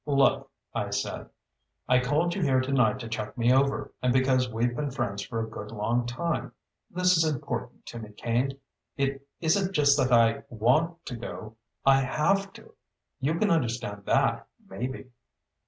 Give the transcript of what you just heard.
"Look," I said. "I called you here tonight to check me over and because we've been friends for a good long time. This is important to me, Kane. It isn't just that I want to go. I have to. You can understand that, maybe."